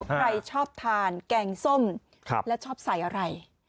ใครชอบทานแกงส้มแล้วชอบใส่อะไร